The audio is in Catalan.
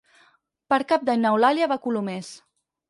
Per Cap d'Any n'Eulàlia va a Colomers.